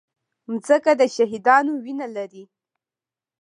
مځکه د شهیدانو وینه لري.